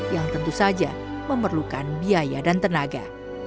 yang tentu saja memerlukan biaya dan tenaga